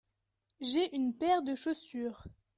J’ai une paire de chaussures.